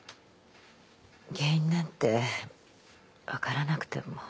原因なんて分からなくても。